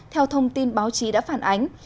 theo thông tin báo chí đã phản ánh